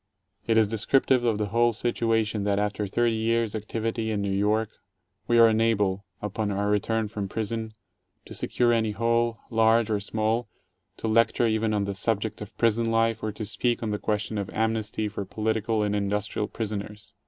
It is descriptive of the whole situa tion that after thirty years' activity in New York, we are unable — upon our return from prison — to secure any hall, large or small, to lecture even on the subject of prison life or to speak on the question of amnesty for poltical and industrial prisoners.